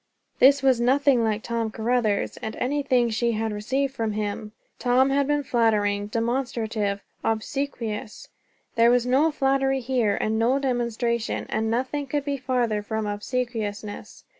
This was nothing like Tom Caruthers, and anything she had received from him. Tom had been flattering, demonstrative, obsequious; there was no flattery here, and no demonstration, and nothing could be farther from obsequiousness.